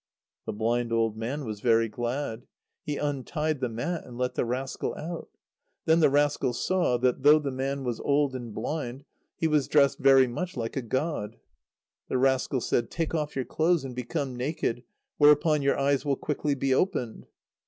The blind old man was very glad. He untied the mat, and let the rascal out. Then the rascal saw that, though the man was old and blind, he was dressed very much like a god. The rascal said: "Take off your clothes and become naked, whereupon your eyes will quickly be opened."